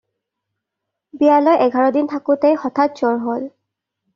বিয়ালৈ এঘাৰ দিন থাকোঁতেই হঠাৎ জ্বৰ হ'ল।